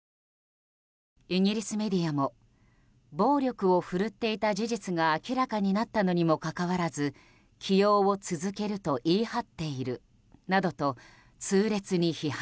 イギリスメディアも暴力を振るっていた事実が明らかになったのにもかかわらず起用を続けると言い張っているなどと痛烈に批判。